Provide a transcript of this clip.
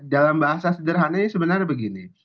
dalam bahasa sederhananya sebenarnya begini